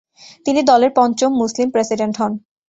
তিনি দলের পঞ্চম মুসলিম প্রেসিডেন্ট হন।